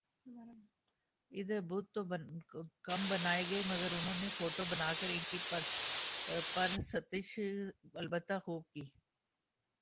ادھر بت تو کم بنائےگئے مگر انہوں نے فوٹو بنا کر انکی پرستش البتہ خو ب کی